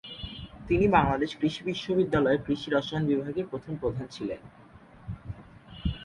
তিনি বাংলাদেশ কৃষি বিশ্ববিদ্যালয়ের কৃষি রসায়ন বিভাগের প্রথম প্রধান ছিলেন।